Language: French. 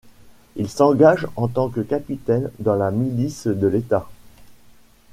Il s'engage en tant que capitaine dans la milice de l'État.